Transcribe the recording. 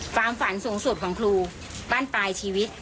ความฝันสูงสุดของครูบ้านปลายชีวิต